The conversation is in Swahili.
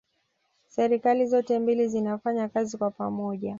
serikali zote mbili zinafanya kazi kwa pamoja